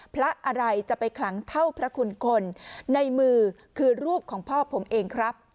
พระอะไรจะไปคลังเท่าพระคุณคนในมือคือรูปของพ่อผมเองครับ